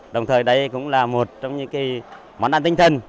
đồng thời đây cũng là một trong những món ăn tinh thần